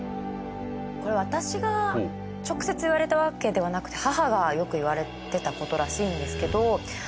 これ私が直接言われたわけではなくて母がよく言われてた事らしいんですけど。